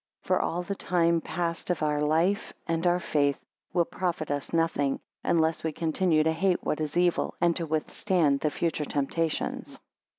For all the time past of our life and our faith, will profit us nothing; unless we continue to hate what is evil, and to withstand the future temptations.